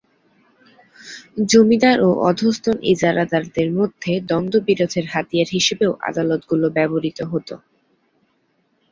জমিদার ও অধস্তন ইজারাদারদের মধ্যে দ্বন্দ্ব-বিরোধের হাতিয়ার হিসেবেও আদালতগুলো ব্যবহূত হতো।